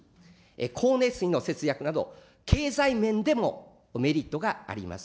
光熱費の節約など、経済面でもメリットがあります。